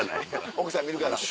奥さん見るから。